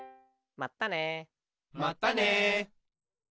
まったね。